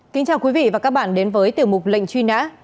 kính chào quý vị và các bạn đến với tiểu mục lệnh truy nã